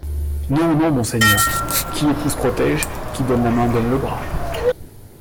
Non, non, monseigneur ; qui épouse protége ; qui donne la main donne le bras.